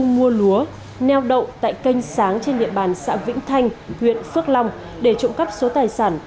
mua lúa neo đậu tại kênh sáng trên địa bàn xã vĩnh thanh huyện phước long để trộm cắp số tài sản